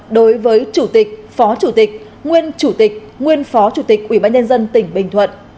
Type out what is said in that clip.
đối với chủ tịch phó chủ tịch nguyên chủ tịch nguyên phó chủ tịch ubnd tỉnh bình thuận